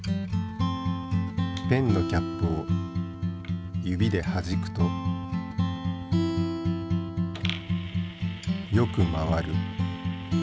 ペンのキャップを指ではじくとよく回る。